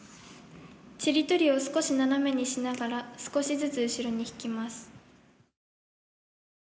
ちりとりを少しななめにしながら少しずつ後ろに引きます」。